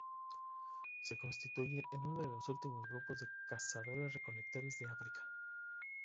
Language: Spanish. Se constituyen en uno de los últimos grupos de cazadores-recolectores de África.